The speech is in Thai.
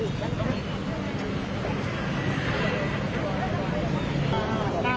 หยุดก่อนก่อนนะ